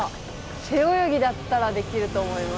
背泳ぎだったらできると思います。